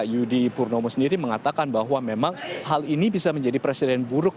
yudi purnomo sendiri mengatakan bahwa memang hal ini bisa menjadi presiden buruk